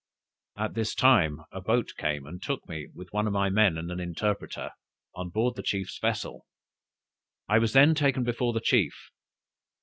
"At this time a boat came, and took me, with one of my men and an interpreter, on board the chief's vessel. I was then taken before the chief.